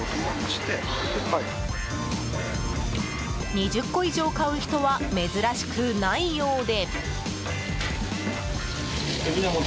２０個以上買う人は珍しくないようで。